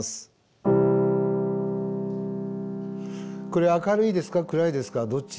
これは明るいですか暗いですかどっち？